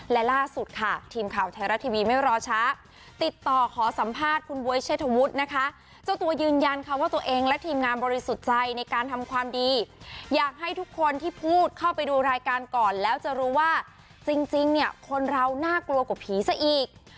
และล่าสุดค่ะทีมข่าวไทยรัฐทีวีไม่รอช้าติดต่อขอสัมภาษณ์คุณบ๊วยเชษฐวุฒินะคะเจ้าตัวยืนยันค่ะว่าตัวเองและทีมงานบริสุทธิ์ใจในการทำความดีอยากให้ทุกคนที่พูดเข้าไปดูรายการก่อนแล้วจะรู้ว่าจริงเนี่ยคนเราน่ากลัวกว่าผีซะอีก